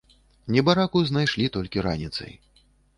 Небараку знайшлі толькі раніцай.